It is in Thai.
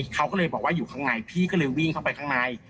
เขาก็เลยบอกว่าอยู่ข้างในพี่ก็เลยวิ่งเข้าไปข้างใน